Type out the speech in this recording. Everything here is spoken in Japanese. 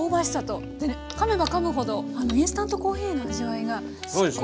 かめばかむほどインスタントコーヒーの味わいが少し。